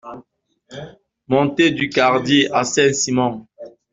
Montée du Cardi à Saint-Simon